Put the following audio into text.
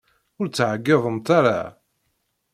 Ur ttɛeggiḍemt ara!